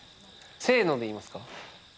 せので言いますか？